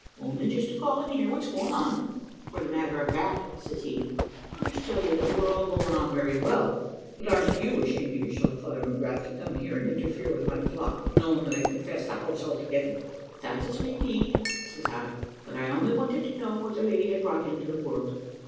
"`Only just to call and hear what's going on.' "`For the matter of that,' says he, `I'll just tell you that we're all going on very well; but ar'n't you ashamed of yourself, Father McGrath, to come here and interfere with my flock, knowing that I confess the house altogether?' "`That's as may be,' says I, `but I only wanted to know what the lady had brought into the world.'